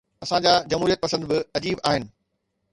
اسان جا جمهوريت پسند به عجيب آهن.